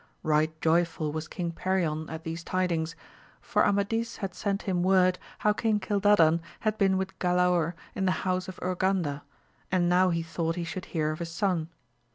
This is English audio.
Right joyful was King Perion at these tidings, for Amadis had sent him word how King Cildadan had been with Galaor in the house of Ur : ganda, and now he thought he should hear of his son.